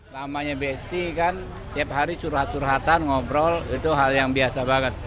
namanya bsd kan tiap hari curhat curhatan ngobrol itu hal yang biasa banget